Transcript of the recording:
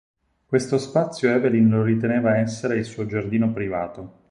Questo spazio Evelyn lo riteneva essere il suo giardino privato.